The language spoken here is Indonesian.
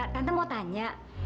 tante mau tanya